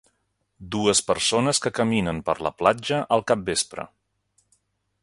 Dues persones que caminen per la platja al capvespre.